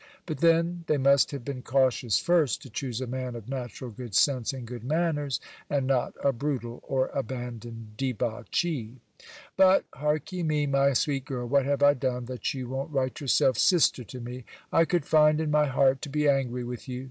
But then they must have been cautious first, to choose a man of natural good sense, and good manners, and not a brutal or abandoned debauchee. But hark ye me, my sweet girl, what have I done, that you won't write yourself sister to me? I could find in my heart to be angry with you.